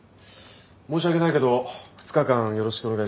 申し訳ないけど２日間よろしくお願いします。